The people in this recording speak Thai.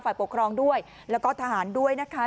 ฝ่ายปกครองด้วยแล้วก็ทหารด้วยนะคะ